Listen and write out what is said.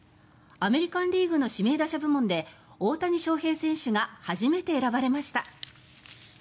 アメリカン・リーグの指名打者部門で大谷翔平選手が初めて選ばれました。